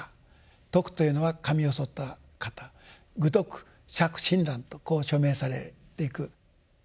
禿というのは髪をそった方「愚禿釈親鸞」とこう署名されていく。